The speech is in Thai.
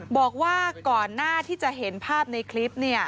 บอกว่าก่อนหน้าที่จะเห็นภาพในคลิป